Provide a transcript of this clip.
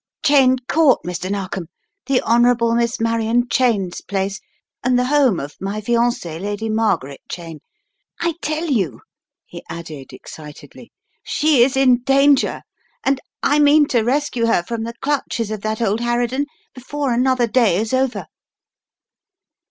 " Cheyne Court, Mr. Narkom, the Honourable Miss Marion Cheyne's place and the home of my fiancee Lady Margaret Cheyne. I tell you," he added excit edly, "she is in danger, and I mean to rescue her from the clutches of that old harridan before another day is over."